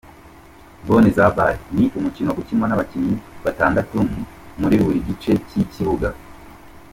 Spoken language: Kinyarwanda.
Boneza ball ni umukino ukinwa n'abakinnyi batandatu muri buri gice cy'ikibuga.